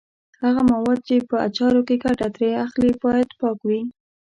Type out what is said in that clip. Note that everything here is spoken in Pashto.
هغه مواد چې په اچارو کې ګټه ترې اخلي باید پاک وي.